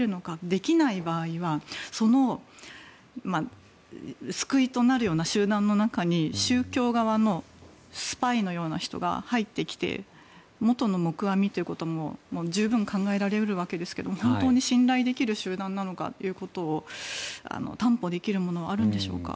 できない場合は救いとなるような集団の中に宗教側のスパイのような人が入ってきて元の木阿弥ということも十分考えられるわけですが本当に信頼できる集団なのかということを担保できるものはあるんでしょうか。